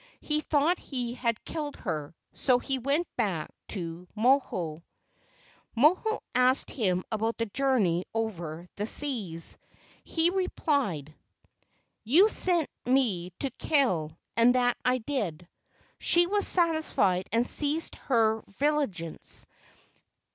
He thought he had killed her, so he went back to Moho. Moho asked him about his journey over the seas. He replied, "You sent me to kill, and that I did." She was satisfied and ceased her vigi¬ lance.